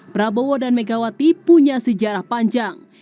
prabowo dan megawati punya sejarah panjang